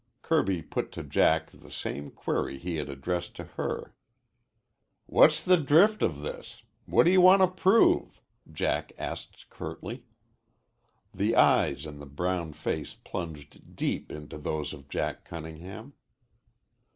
Kirby put to Jack the same query he had addressed to her. "What's the drift of this? What do you want to prove?" Jack asked curtly. The eyes in the brown face plunged deep into those of Jack Cunningham.